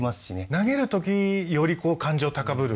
投げるときより感情高ぶる。